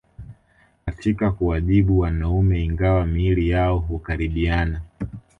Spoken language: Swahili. Katika kuwajibu wanaume ingawa miili yao hukaribiana